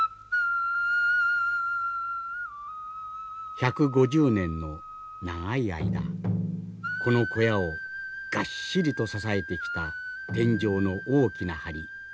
１５０年の長い間この小屋をがっしりと支えてきた天井の大きなはり。